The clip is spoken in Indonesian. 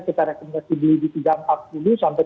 kita rekomendasi beli di tiga empat ratus sampai tiga lima ratus